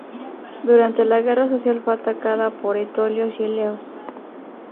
Durante la guerra social fue atacada por etolios y eleos.